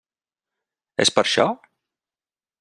És per això?